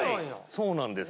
そうなんです。